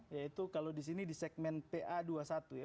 yaitu kalau di sini di segmen pa dua puluh satu ya